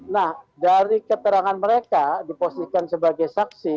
nah dari keterangan mereka diposisikan sebagai saksi